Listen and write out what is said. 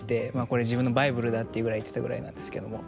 「これ自分のバイブルだ」っていうぐらい言ってたぐらいなんですけども。